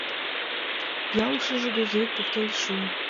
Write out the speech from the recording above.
Пиалешыже, грузовик поктен шуын.